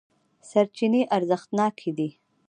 سرچینې ارزښتناکې دي.